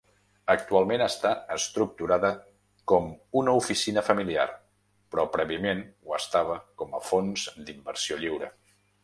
Actualment està estructurada com una oficina familiar, però prèviament ho estava com a fons d'inversió lliure.